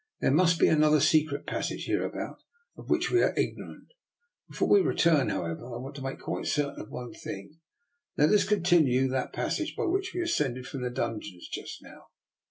There must be another secret passage hereabout of which we are ignorant. Before we return, however, I want to make quite certain of one thing; let us continue that passage by which we ascend ed from the dungeons just now."